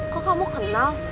kok kamu kenal